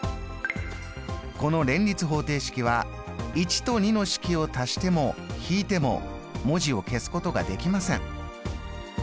この連立方程式は１と２の式を足しても引いても文字を消すことができません。